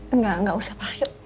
enggak usah pak yuk